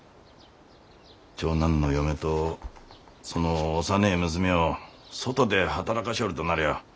長男の嫁とその幼え娘ょう外で働かしょおるとなりゃあ